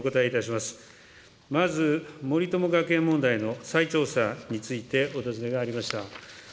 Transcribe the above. まず、森友学園問題の再調査についてお尋ねがありました。